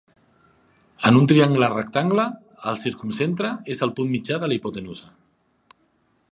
En un triangle rectangle, el circumcentre és el punt mitjà de la hipotenusa.